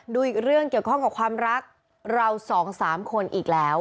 ดูอีกเรื่องเกี่ยวข้องกับความรักเราสองสามคนอีกแล้ว